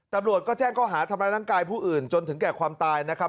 ตำรวจก็แจ้งเขาหาทำร้ายร่างกายผู้อื่นจนถึงแก่ความตายนะครับ